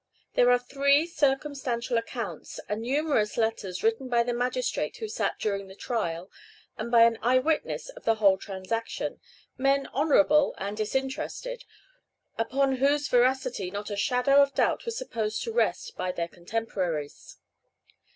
There are three circumstantial accounts, and numerous letters written by the magistrate who sat during the trial, and by an eye witness of the whole transaction, men honorable and disinterested, upon whose veracity not a shadow of doubt was supposed to rest by their contemporaries.